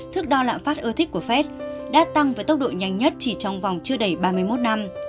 thước đo lãm phát ưa thích của fed đã tăng với tốc độ nhanh nhất chỉ trong vòng chưa đầy ba mươi một năm